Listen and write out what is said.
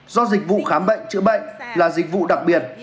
do dịch vụ khám bệnh chữa bệnh là dịch vụ đặc biệt